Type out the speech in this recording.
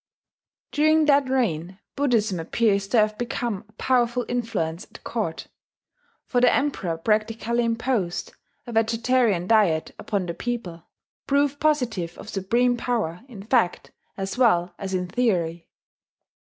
During that reign Buddhism appears to have become a powerful influence at court; for the Emperor practically imposed a vegetarian diet upon the people proof positive of supreme power in fact as well as in theory.